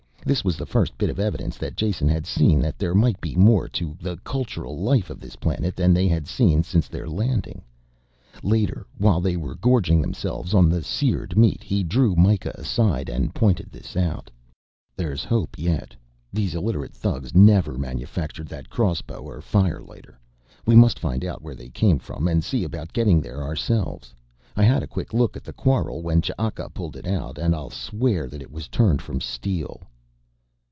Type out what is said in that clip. This was the first bit of evidence that Jason had seen that there might be more to the cultural life of this planet than they had seen since their landing. Later, while they were gorging themselves on the seared meat, he drew Mikah aside and pointed this out. "There's hope yet. These illiterate thugs never manufactured that crossbow or firelighter. We must find out where they came from and see about getting there ourselves. I had a quick look at the quarrel when Ch'aka pulled it out, and I'll swear that it was turned from steel."